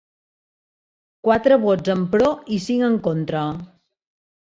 Quatre vots en pro i cinc en contra.